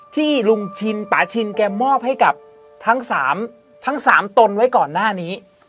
ที่ลุงชินป่าชินแกมอบให้กับทั้ง๓ตนไว้ก่อนหน้านี้